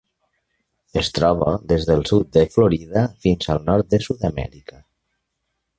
Es troba des del sud de Florida fins al nord de Sud-amèrica.